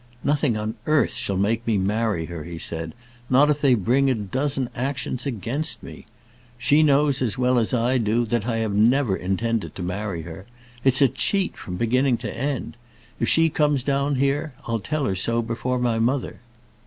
"Nothing on earth shall make me marry her," he said; "not if they bring a dozen actions against me. She knows as well as I do, that I have never intended to marry her. It's a cheat from beginning to end. If she comes down here, I'll tell her so before my mother."